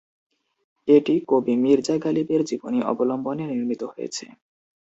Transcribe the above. এটি কবি মির্জা গালিবের জীবনী অবলম্বনে নির্মিত হয়েছে।